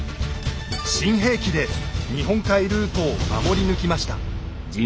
新兵器で日本海ルートを守り抜きました。